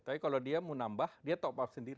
tapi kalau dia mau nambah dia top up sendiri